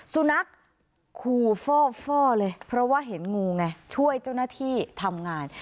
สุนัขคู่ฟ่อเลยเพราะว่าเห็นงูไงช่วยเจ้าหน้าที่ทำงาน